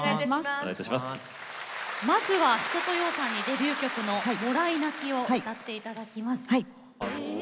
まずは一青窈さんにデビュー曲の「もらい泣き」を歌っていただきます。